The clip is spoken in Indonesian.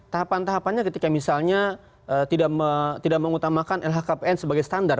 tahapan tahapannya ketika misalnya tidak mengutamakan lhkpn sebagai standar